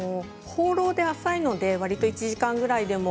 ホーローで浅いので１時間ぐらいでも